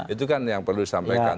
itu kan yang perlu disampaikan